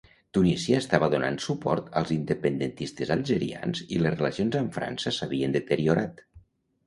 Tunísia estava donant suport als independentistes algerians i les relacions amb França s'havien deteriorat.